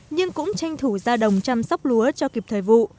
nhưng cũng tranh thủ ra đồng chăm sóc lúa cho kịp thời vụ